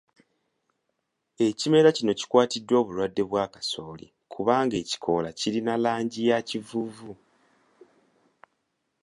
Ekimera kino kikwatiddwa obulwadde bwa kasooli kubanga ekikoola kirina langi ya kivuuvu